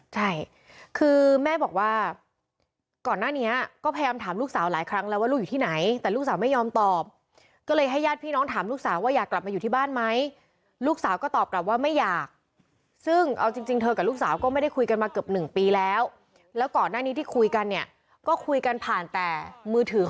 ใช่คือแม่บอกว่าก่อนหน้านี้ก็พยายามถามลูกสาวหลายครั้งแล้วว่าลูกอยู่ที่ไหนแต่ลูกสาวไม่ยอมตอบก็เลยให้ญาติพี่น้องถามลูกสาวว่าอยากกลับมาอยู่ที่บ้านไหมลูกสาวก็ตอบกลับว่าไม่อยากซึ่งเอาจริงเธอกับลูกสาวก็ไม่ได้คุยกันมาเกือบหนึ่งปีแล้วแล้วก่อนหน้านี้ที่คุยกันเนี่ยก็คุยกันผ่านแต่มือถือ